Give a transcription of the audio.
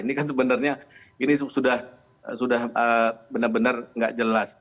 ini kan sebenarnya ini sudah benar benar nggak jelas